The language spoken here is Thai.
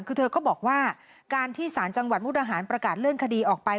คือเธอก็บอกว่าการที่สารจังหวัดมุกดาหารประกาศเลื่อนคดีออกไป